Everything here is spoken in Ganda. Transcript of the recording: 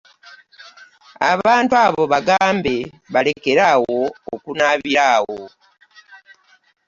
Abantu abo bagambe balekere awo okunaabira awo.